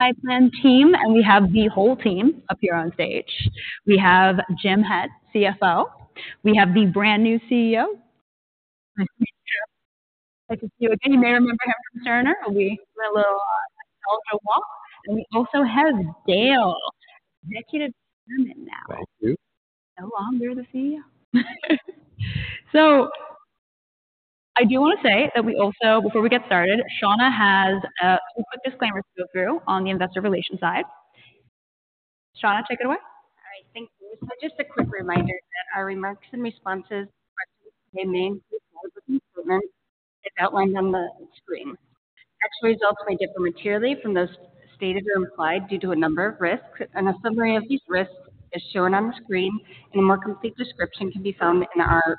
MultiPlan team, and we have the whole team up here on stage. We have Jim Head, CFO. We have the brand new CEO. Nice to meet you. Like I said, you may remember him from Cerner. We were a little nostalgia walk, and we also have Dale, Executive Chairman now. Thank you. No longer the CEO. So I do want to say that we also, before we get started, Shawna has a quick disclaimer to go through on the investor relations side. Shawna, take it away. All right. Thank you. So just a quick reminder that our remarks and responses are mainly as outlined on the screen. Actual results may differ materially from those stated or implied due to a number of risks. And a summary of these risks is shown on the screen, and a more complete description can be found in our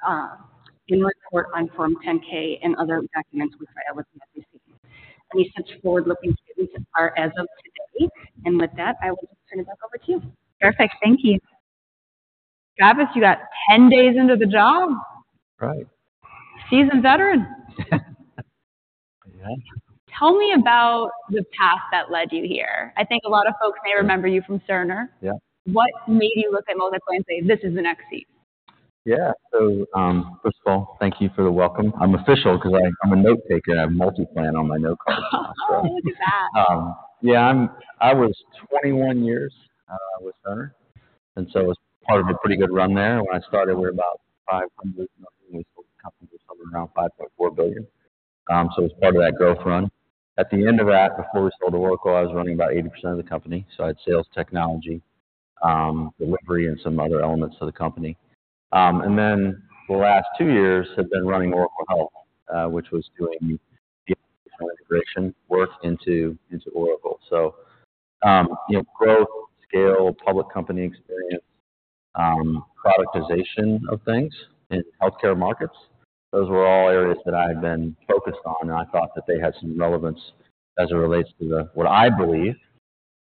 annual report on Form 10-K and other documents we file with the SEC. Any such forward-looking statements are as of today. And with that, I will just turn it back over to you. Perfect. Thank you. Travis, you got 10 days into the job? Right. Seasoned veteran. Yeah. Tell me about the path that led you here. I think a lot of folks may remember you from Cerner. Yeah. What made you look at MultiPlan and say, "This is the next seat? Yeah. So, first of all, thank you for the welcome. I'm official because I'm a note taker, and I have MultiPlan on my note card. Oh, look at that. Yeah, I was 21 years with Cerner, and so it was part of a pretty good run there. When I started, we were about $500 million. We sold the company for somewhere around $5.4 billion. So it was part of that growth run. At the end of that, before we sold to Oracle, I was running about 80% of the company. So I had sales, technology, delivery, and some other elements of the company. And then the last 2 years have been running Oracle Health, which was doing integration work into Oracle. So, you know, growth, scale, public company experience, productization of things in healthcare markets, those were all areas that I had been focused on, and I thought that they had some relevance as it relates to the... What I believe,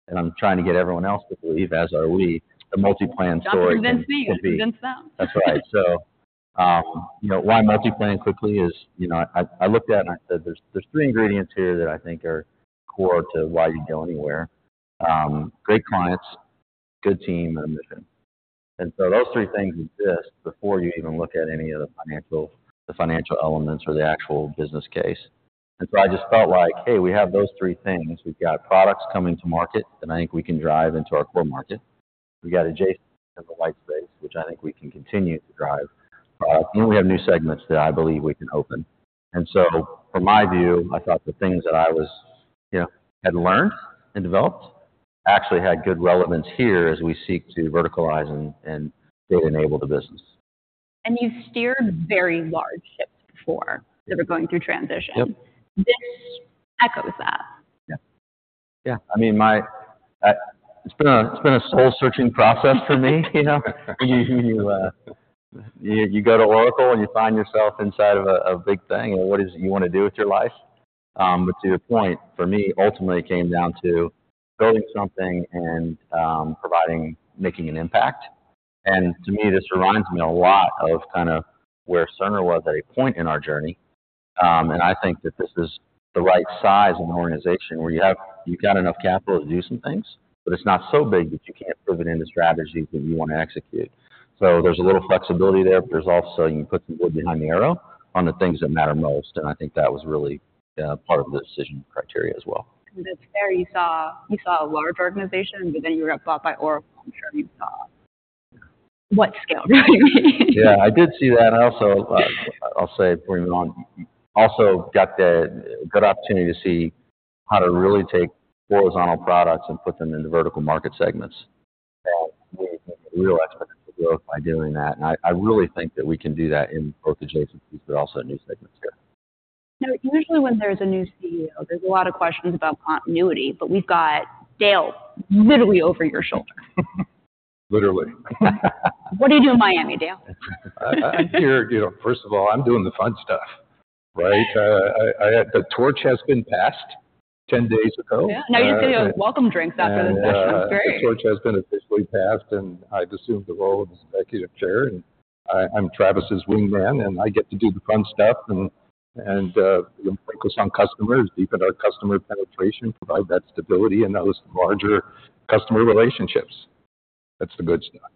and I'm trying to get everyone else to believe, as are we, a MultiPlan story can be. Convince me, convince them. That's right. So, you know, why MultiPlan quickly is, you know, I looked at it, and I said there's three ingredients here that I think are core to why you'd go anywhere. Great clients, good team, and a mission. And so those three things exist before you even look at any of the financial, the financial elements or the actual business case. And so I just felt like, hey, we have those three things. We've got products coming to market that I think we can drive into our core market. We got adjacent and the white space, which I think we can continue to drive products, and we have new segments that I believe we can open. And so from my view, I thought the things that I was, you know, had learned and developed actually had good relevance here as we seek to verticalize and, and data enable the business. You've steered very large ships before that are going through transition. Yep. This echoes that. Yeah. Yeah. I mean, my, it's been a, it's been a soul-searching process for me, you know. You, you, you, you go to Oracle, and you find yourself inside of a, a big thing, and what is it you want to do with your life? But to your point, for me, ultimately, it came down to building something and, providing, making an impact. And to me, this reminds me a lot of kind of where Cerner was at a point in our journey. And I think that this is the right size of an organization where you have-- you've got enough capital to do some things, but it's not so big that you can't prove it in the strategy that you want to execute. So there's a little flexibility there, but there's also you put some wood behind the arrow on the things that matter most, and I think that was really part of the decision criteria as well. Because at Cerner you saw, you saw a large organization, but then you were bought by Oracle. I'm sure you saw what scale, right? Yeah, I did see that. And also, I'll say moving on, also got the good opportunity to see how to really take horizontal products and put them into vertical market segments. And we made a real effort to grow by doing that, and I, I really think that we can do that in both adjacencies but also in new segments here. Now, usually when there's a new CEO, there's a lot of questions about continuity, but we've got Dale literally over your shoulder. Literally. What do you do in Miami, Dale? I hear you. First of all, I'm doing the fun stuff, right? The torch has been passed 10 days ago. Yeah. Now, you just do welcome drinks after this. That's great. The torch has been officially passed, and I've assumed the role of executive chair, and I, I'm Travis's wingman, and I get to do the fun stuff and, and, you know, focus on customers, deepen our customer penetration, provide that stability in those larger customer relationships. That's the good stuff.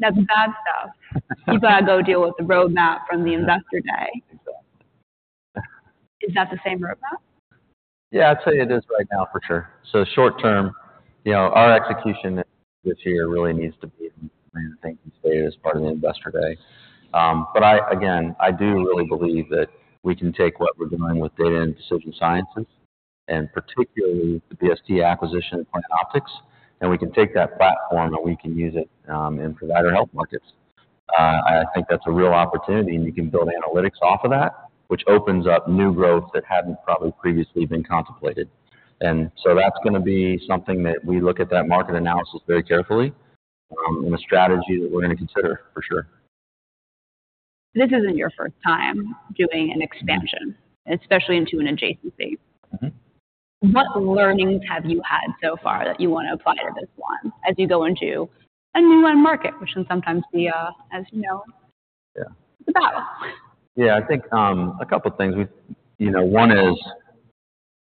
Now, the bad stuff. You've got to go deal with the roadmap from the investor day. Exactly. Is that the same roadmap? Yeah, I'd say it is right now, for sure. So short term, you know, our execution this year really needs to be, I think, as part of the investor day. But I, again, I do really believe that we can take what we're doing with data and decision sciences, and particularly the BST acquisition in optics, and we can take that platform, and we can use it, in provider health markets. And I think that's a real opportunity, and you can build analytics off of that, which opens up new growth that hadn't probably previously been contemplated. And so that's gonna be something that we look at that market analysis very carefully, and a strategy that we're gonna consider for sure. This isn't your first time doing an expansion, especially into an adjacent space. Mm-hmm. What learnings have you had so far that you want to apply to this one as you go into a new end market, which can sometimes be, as you know? Yeah a battle? Yeah, I think a couple of things. We, you know, one is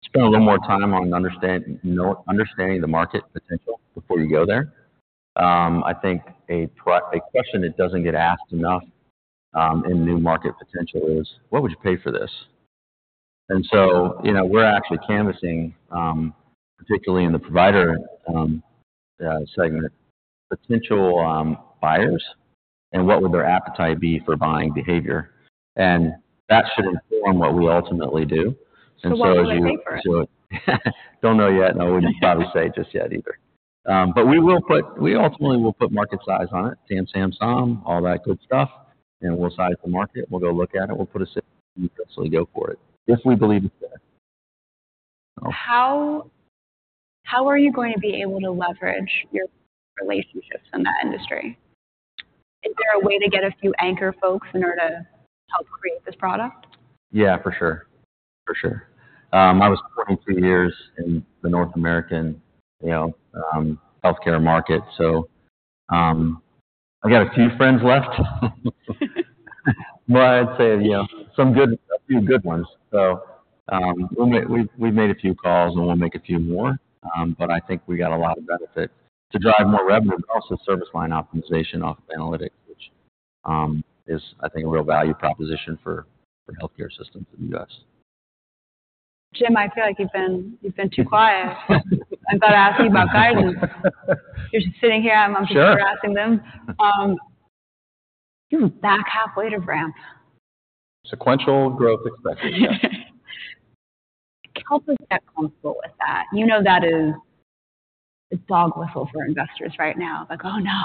spend a little more time on understanding the market potential before you go there. I think a question that doesn't get asked enough in new market potential is: What would you pay for this? And so, you know, we're actually canvassing particularly in the provider segment potential buyers and what would their appetite be for buying behavior. And that should inform what we ultimately do. So what will they pay for it? Don't know yet, and I wouldn't probably say just yet either. But we ultimately will put market size on it, SAM, all that good stuff, and we'll size the market. We'll go look at it, we'll put a go for it, if we believe it's there. How are you going to be able to leverage your relationships in that industry? Is there a way to get a few anchor folks in order to help create this product? Yeah, for sure. For sure. I was 22 years in the North American, you know, healthcare market, so, I got a few friends left. But I'd say, you know, some good, a few good ones. So, we've made a few calls, and we'll make a few more, but I think we got a lot of benefit to drive more revenue, but also service line optimization off analytics, which is, I think, a real value proposition for, for healthcare systems in the U.S. Jim, I feel like you've been, you've been too quiet. I've got to ask you about guidance. You're sitting here, I'm asking them. Sure. Back half weight of ramp. Sequential growth expected. Help us get comfortable with that. You know, that is a dog whistle for investors right now. Like, oh, no!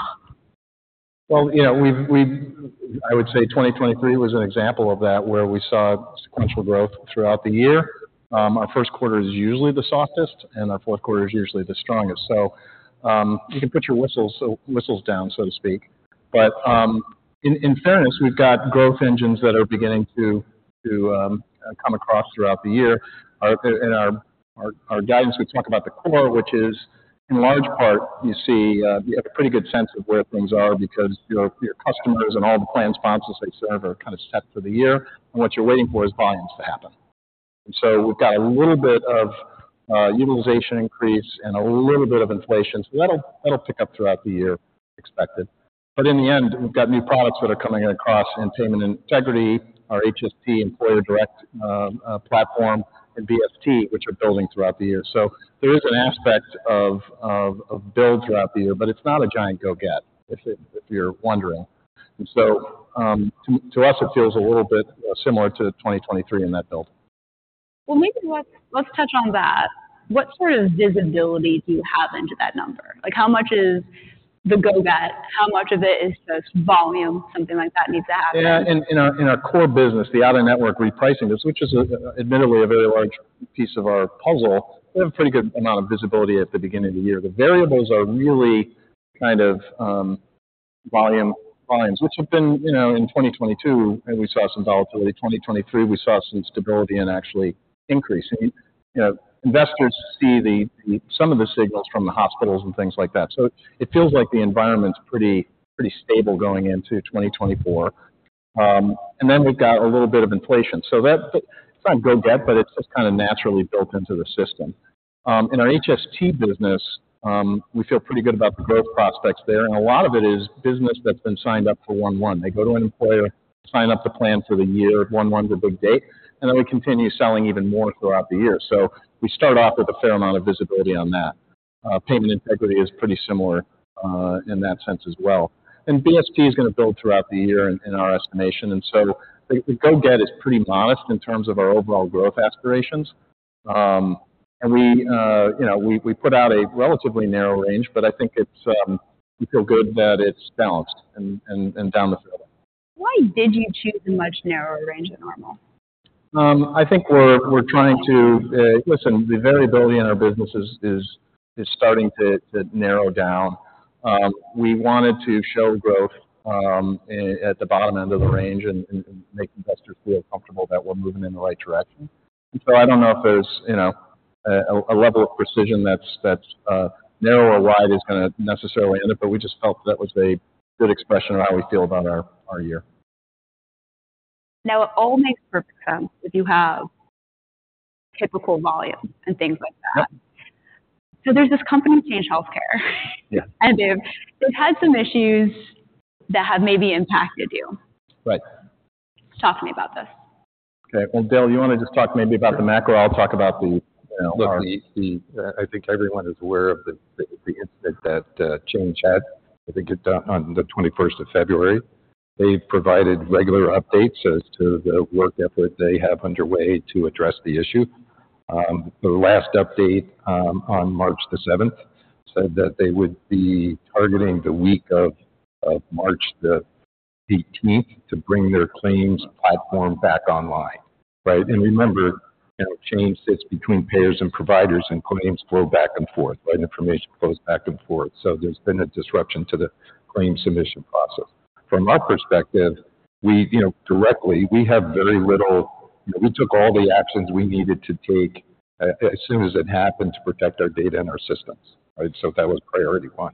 Well, you know, we've I would say 2023 was an example of that, where we saw sequential growth throughout the year. Our first quarter is usually the softest, and our fourth quarter is usually the strongest. So, you can put your whistles, so, whistles down, so to speak. But, in fairness, we've got growth engines that are beginning to come across throughout the year. In our guidance, we talk about the core, which is, in large part, you see, you have a pretty good sense of where things are because your customers and all the plan sponsors they serve are kind of set for the year, and what you're waiting for is volumes to happen. And so we've got a little bit of utilization increase and a little bit of inflation, so that'll pick up throughout the year, expected. But in the end, we've got new products that are coming across in Payment Integrity, our HST employer direct platform, and BST, which are building throughout the year. So there is an aspect of build throughout the year, but it's not a giant go get, if you're wondering. And so, to us, it feels a little bit similar to 2023 in that build. Well, maybe let's touch on that. What sort of visibility do you have into that number? Like, how much is the go get? How much of it is just volume, something like that needs to happen? Yeah, in our core business, the out-of-network repricing, which is admittedly a very large piece of our puzzle, we have a pretty good amount of visibility at the beginning of the year. The variables are really kind of volumes, which have been, you know, in 2022, and we saw some volatility. 2023, we saw some stability and actually increasing. You know, investors see some of the signals from the hospitals and things like that. So it feels like the environment's pretty stable going into 2024. And then we've got a little bit of inflation, so that it's not go get, but it's just kind of naturally built into the system. In our HST business, we feel pretty good about the growth prospects there, and a lot of it is business that's been signed up for 1-1. They go to an employer, sign up the plan for the year, 1/1's a big date, and then we continue selling even more throughout the year. So we start off with a fair amount of visibility on that. Payment Integrity is pretty similar in that sense as well. And BST is going to build throughout the year in our estimation, and so the go get is pretty modest in terms of our overall growth aspirations. And we, you know, we put out a relatively narrow range, but I think it's we feel good that it's balanced and down the field. Why did you choose a much narrower range than normal? I think we're trying to... Listen, the variability in our business is starting to narrow down. We wanted to show growth at the bottom end of the range and make investors feel comfortable that we're moving in the right direction. So I don't know if there's, you know, a level of precision that's narrow or wide is gonna necessarily end it, but we just felt that was a good expression of how we feel about our year. Now, it all makes perfect sense if you have typical volume and things like that. Yep. There's this company, Change Healthcare. Yeah. They've had some issues that have maybe impacted you. Right. Talk to me about this. Okay. Well, Dale, you want to just talk maybe about the macro? I'll talk about the, Look, the I think everyone is aware of the incident that Change Healthcare had. I think it got on the 21st of February. They provided regular updates as to the work effort they have underway to address the issue. The last update on March the 7th said that they would be targeting the week of March the 18th to bring their claims platform back online, right? And remember, you know, Change Healthcare sits between payers and providers, and claims flow back and forth, right, information flows back and forth. So there's been a disruption to the claims submission process. From our perspective, we, you know, directly, we have very little... We took all the actions we needed to take as soon as it happened, to protect our data and our systems, right? So that was priority one.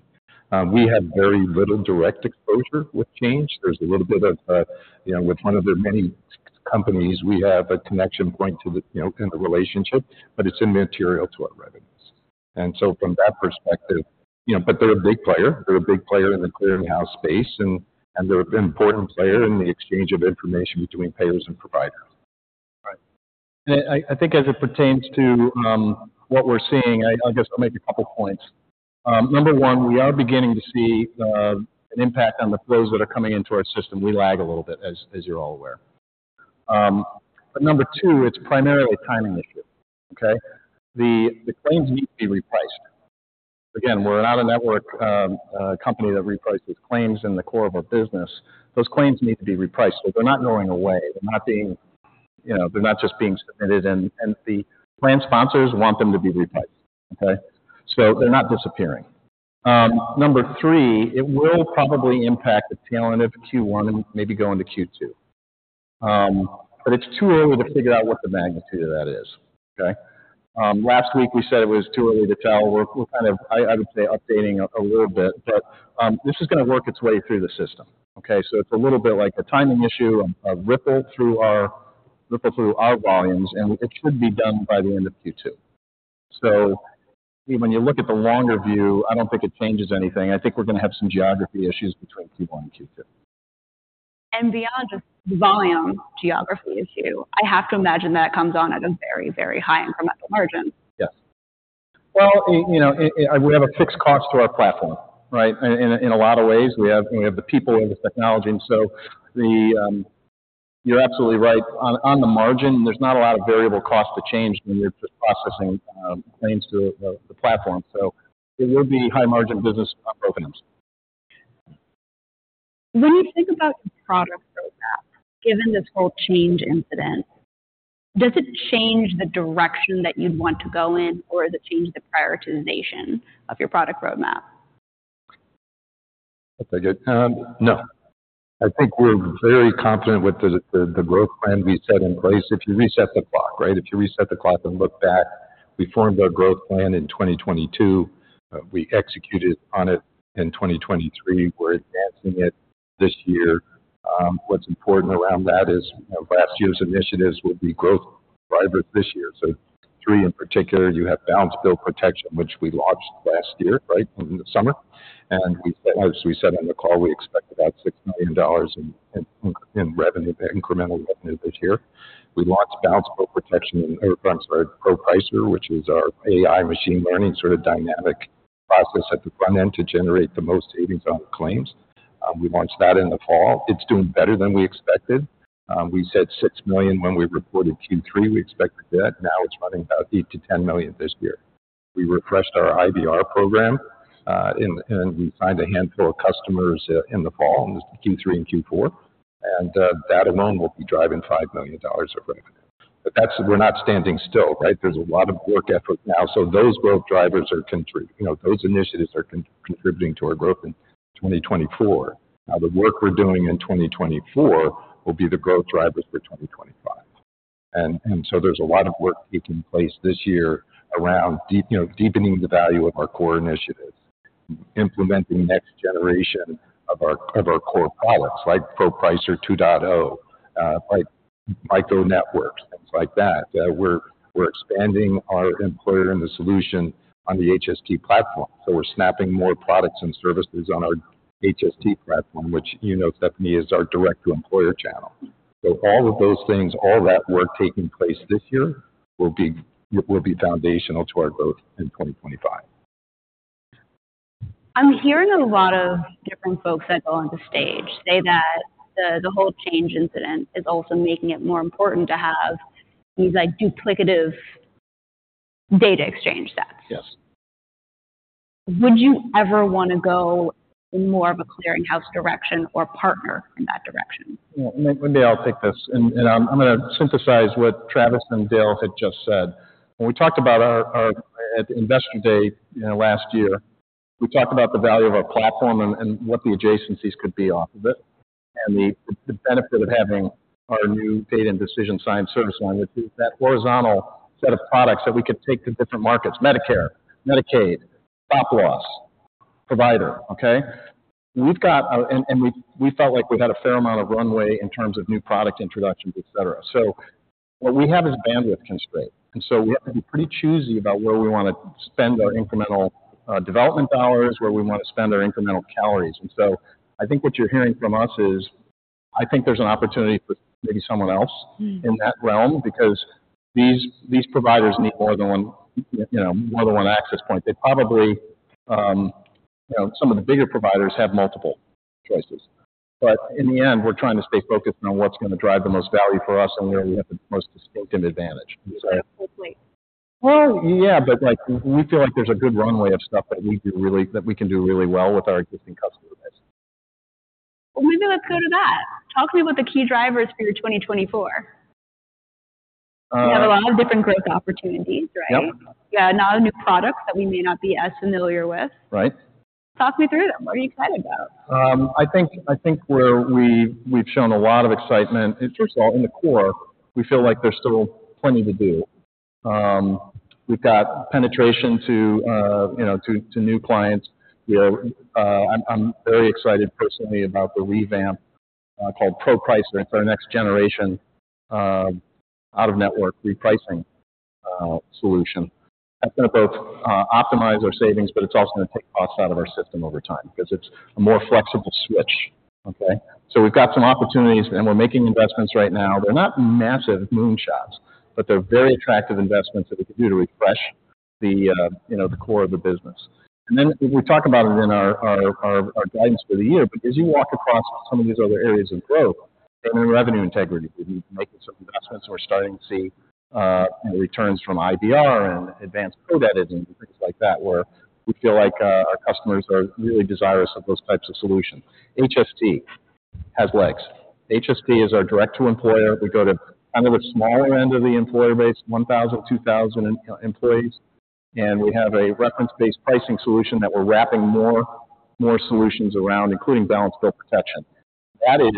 We have very little direct exposure with Change. There's a little bit of, you know, with one of their many companies, we have a connection point to the, you know, in the relationship, but it's immaterial to our revenues. And so from that perspective, you know, but they're a big player. They're a big player in the clearinghouse space, and they're an important player in the exchange of information between payers and providers. Right. I think as it pertains to what we're seeing, I'll just make a couple points. Number one, we are beginning to see an impact on the flows that are coming into our system. We lag a little bit, as you're all aware. But number two, it's primarily a timing issue, okay? The claims need to be repriced. Again, we're not a network company that reprices claims in the core of our business. Those claims need to be repriced, but they're not going away. They're not being, you know, they're not just being submitted, and the plan sponsors want them to be repriced, okay? So they're not disappearing. Number three, it will probably impact the tail end of Q1 and maybe go into Q2. But it's too early to figure out what the magnitude of that is, okay? Last week, we said it was too early to tell. We're kind of, I would say, updating a little bit, but this is going to work its way through the system, okay? So it's a little bit like a timing issue, a ripple through our volumes, and it should be done by the end of Q2. So when you look at the longer view, I don't think it changes anything. I think we're going to have some geography issues between Q1 and Q2. Beyond just volume geography issue, I have to imagine that comes on at a very, very high incremental margin. Yes. Well, you know, it... We have a fixed cost to our platform, right? In a lot of ways, we have the people and the technology, and so you're absolutely right. On the margin, there's not a lot of variable cost to change when you're just processing claims through the platform. So it would be high-margin business for us. When you think about the product roadmap, given this whole Change incident, does it change the direction that you'd want to go in, or does it change the prioritization of your product roadmap? That's a good no. I think we're very confident with the growth plan we set in place. If you reset the clock, right, if you reset the clock and look back, we formed our growth plan in 2022. We executed on it in 2023. We're advancing it this year. What's important around that is, you know, last year's initiatives will be growth drivers this year. So three, in particular, you have Balance Bill Protection, which we launched last year, right, in the summer. And we, as we said on the call, we expect about $6 million in revenue, incremental revenue this year. We launched Balance Bill Protection in, or I'm sorry, Pro Pricer, which is our AI machine learning, sort of dynamic process at the front end to generate the most savings on claims. We launched that in the fall. It's doing better than we expected. We said $6 million when we reported Q3, we expected that. Now it's running about $8 million-$10 million this year. We refreshed our IBR program, and we signed a handful of customers in the fall, Q3 and Q4, and that alone will be driving $5 million of revenue. But that's... We're not standing still, right? There's a lot of work effort now. So those growth drivers are contributing, you know, those initiatives are contributing to our growth in 2024. Now, the work we're doing in 2024 will be the growth drivers for 2025. So there's a lot of work taking place this year around deep, you know, deepening the value of our core initiatives, implementing next generation of our core products, like Pro Pricer 2.0, like micro networks, things like that. We're expanding our employer and the solution on the HST platform, so we're snapping more products and services on our HST platform, which, you know, Stephanie, is our direct-to-employer channel. So all of those things, all that work taking place this year, will be foundational to our growth in 2025. I'm hearing a lot of different folks that go on the stage say that the whole Change Healthcare incident is also making it more important to have these, like, duplicative data exchange sets. Yes. Would you ever want to go in more of a clearinghouse direction or partner in that direction? Yeah. Maybe I'll take this, and I'm going to synthesize what Travis and Dale had just said. When we talked about our Investor Day, you know, last year, we talked about the value of our platform and what the adjacencies could be off of it, and the benefit of having our new Data and Decision Science service line, which is that horizontal set of products that we could take to different markets, Medicare, Medicaid, stop-loss, provider, okay? And we felt like we had a fair amount of runway in terms of new product introductions, et cetera. So what we have is bandwidth constraint, and so we have to be pretty choosy about where we want to spend our incremental development dollars, where we want to spend our incremental calories. And so I think what you're hearing from us is, I think there's an opportunity for maybe someone else- Mm. In that realm, because these providers need more than one, you know, more than one access point. They probably, you know, some of the bigger providers have multiple choices, but in the end, we're trying to stay focused on what's going to drive the most value for us and where we have the most distinctive advantage. Hopefully. Well, yeah, but, like, we feel like there's a good runway of stuff that we can do really well with our existing customer base. Well, maybe let's go to that. Talk to me about the key drivers for your 2024. Uh- You have a lot of different growth opportunities, right? Yep. You have a lot of new products that we may not be as familiar with. Right. Talk me through them. What are you excited about? I think where we've shown a lot of excitement, first of all, in the core, we feel like there's still plenty to do. We've got penetration to, you know, to new clients. We are, I'm very excited personally about the revamp called Pro Pricer for our next generation out-of-network repricing solution. That's gonna both optimize our savings, but it's also gonna take costs out of our system over time, 'cause it's a more flexible switch, okay? So we've got some opportunities, and we're making investments right now. They're not massive moonshots, but they're very attractive investments that we can do to refresh the, you know, the core of the business. And then we talk about it in our guidance for the year, but as you walk across some of these other areas of growth, I mean, revenue integrity, we've been making some investments. We're starting to see, you know, returns from IBR and advanced code editing and things like that, where we feel like our customers are really desirous of those types of solutions. HST has legs. HST is our direct-to-employer. We go to kind of the smaller end of the employer base, 1,000, 2,000 employees, and we have a reference-based pricing solution that we're wrapping more solutions around, including balance bill protection. That is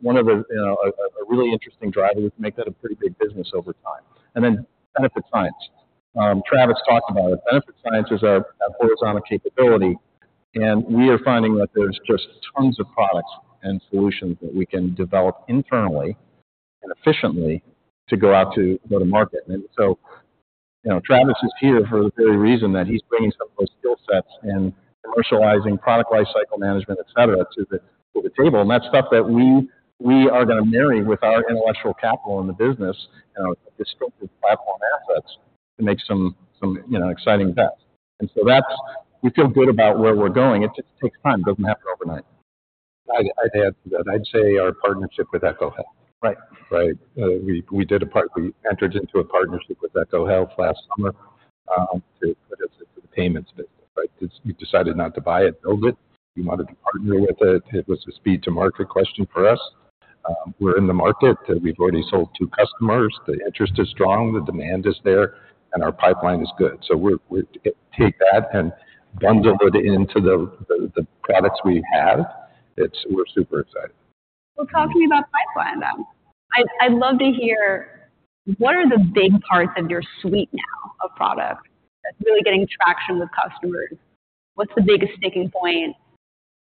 one of the, you know, a really interesting driver. We can make that a pretty big business over time. And then Benefits Science. Travis talked about it. Benefits Science is our horizontal capability, and we are finding that there's just tons of products and solutions that we can develop internally and efficiently to go out to go-to-market. And so, you know, Travis is here for the very reason that he's bringing some of those skill sets and commercializing product lifecycle management, et cetera, to the table. And that's stuff that we are gonna marry with our intellectual capital in the business, you know, the scope of platform assets, to make some exciting bets. And so that's... We feel good about where we're going. It just takes time. It doesn't happen overnight. I'd add to that. I'd say our partnership with ECHO Health. Right. Right? We entered into a partnership with ECHO Health last summer to put in the payments business, right? 'Cause we decided not to buy it, build it. We wanted to partner with it. It was a speed to market question for us. We're in the market, and we've already sold two customers. The interest is strong, the demand is there, and our pipeline is good. So we're take that and bundle it into the products we have. We're super excited. Well, talk to me about pipeline then. I'd, I'd love to hear, what are the big parts of your suite now, of products, that's really getting traction with customers? What's the biggest sticking point?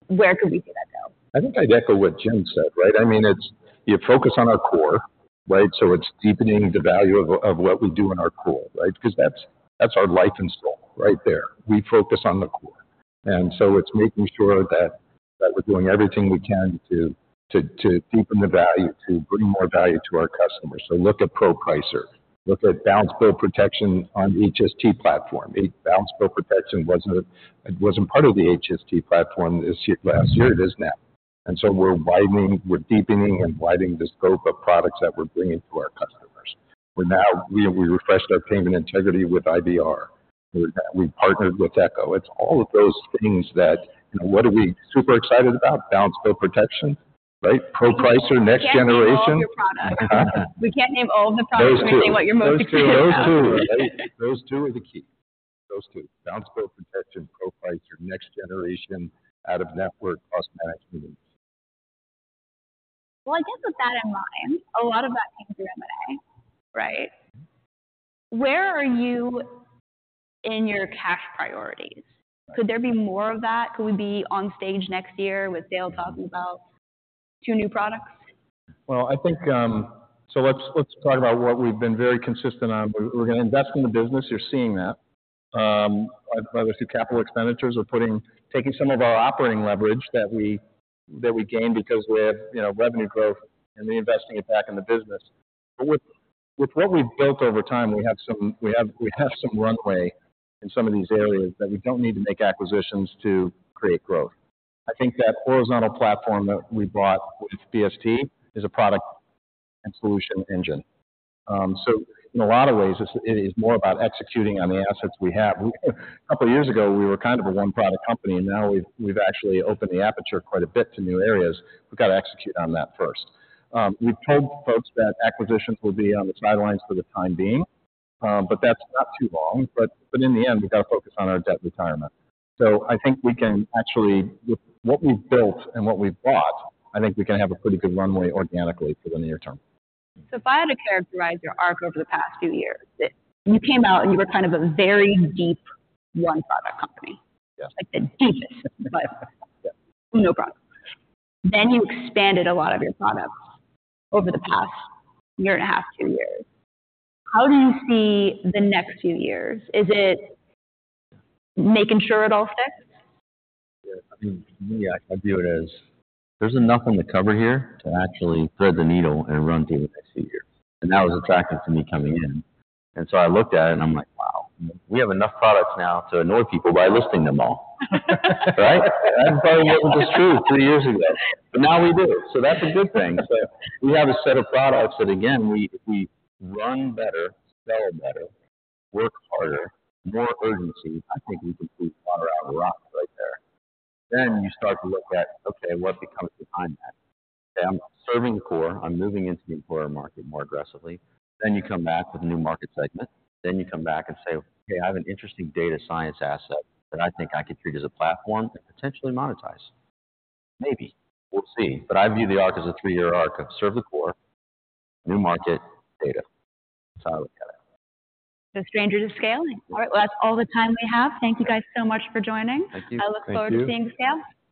Where could we see that go? I think I'd echo what Jim said, right? I mean, it's you focus on our core, right? So it's deepening the value of, of what we do in our core, right? Because that's, that's our life install right there. We focus on the core. And so it's making sure that, that we're doing everything we can to, to, to deepen the value, to bring more value to our customers. So look at Pro Pricer. Look at Balance Bill Protection on HST platform. A Balance Bill Protection wasn't a, it wasn't part of the HST platform this year, last year. It is now. And so we're widening, we're deepening and widening the scope of products that we're bringing to our customers. We're now, we, we refreshed our payment integrity with IBR. We're, we've partnered with Echo. It's all of those things that, you know, what are we super excited about? Balance Bill Protection, right? Pro Pricer, next generation. We can't name all the products. We can't name all of the products. Those two. But say what you're most excited about. Those two. Those two are the key. Those two, Balance Bill Protection, Pro Pricer, next generation, out-of-network cost management. Well, I guess with that in mind, a lot of that came through M&A, right? Where are you in your cash priorities? Right. Could there be more of that? Could we be on stage next year with Dale talking about two new products? Well, I think, so let's, let's talk about what we've been very consistent on. We're, we're gonna invest in the business. You're seeing that. Obviously, capital expenditures are putting, taking some of our operating leverage that we, that we gained because we have, you know, revenue growth, and re-investing it back in the business. But with, with what we've built over time, we have some, we have, we have some runway in some of these areas that we don't need to make acquisitions to create growth. I think that horizontal platform that we bought with BST is a product and solution engine. So in a lot of ways, it's, it is more about executing on the assets we have. We, a couple of years ago, we were kind of a one-product company, and now we've, we've actually opened the aperture quite a bit to new areas. We've got to execute on that first. We've told folks that acquisitions will be on the sidelines for the time being, but that's not too long. But in the end, we've got to focus on our debt retirement. So I think we can actually, with what we've built and what we've bought, I think we can have a pretty good runway organically for the near term. So if I had to characterize your arc over the past few years, you came out, and you were kind of a very deep one-product company. Yeah. Like, the deepest, but- Yeah. No problem. Then you expanded a lot of your products over the past year and a half, 2 years. How do you see the next few years? Is it making sure it all sticks? Yeah. I mean, yeah, I view it as there's enough on the cover here to actually thread the needle and run through what I see here, and that was attractive to me coming in. And so I looked at it, and I'm like, "Wow, we have enough products now to annoy people by listing them all." Right? I probably wasn't as true three years ago, but now we do, so that's a good thing. So we have a set of products that, again, we, if we run better, sell better, work harder, more urgency, I think we can squeeze water out of rocks right there. Then you start to look at, okay, what becomes behind that? I'm serving the core. I'm moving into the employer market more aggressively. Then you come back with a new market segment. Then you come back and say, "Okay, I have an interesting data science asset that I think I could treat as a platform and potentially monetize." Maybe. We'll see, but I view the arc as a 3-year arc of serve the core, new market, data. That's how I look at it. No stranger to scaling. All right, well, that's all the time we have. Thank you guys so much for joining. Thank you. Thank you. I look forward to seeing the scale.